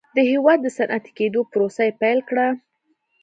د هېواد د صنعتي کېدو پروسه یې پیل کړه.